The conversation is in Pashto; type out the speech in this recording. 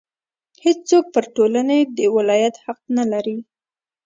هېڅوک پر ټولنې د ولایت حق نه لري.